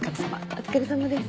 お疲れさまです。